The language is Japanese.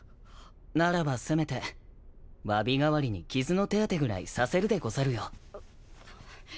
ならばせめてわび代わりに傷の手当てぐらいさせるでござるよ。